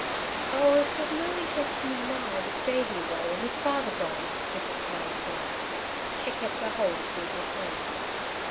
"Oh, it's of no interest to me now, with Davey away and his father gone," Mrs. Cameron cried. She kept her hold of Deirdre's hand.